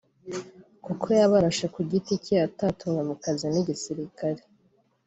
kuko yabarashe ku giti cye atatumwe mu kazi n’Igisirikare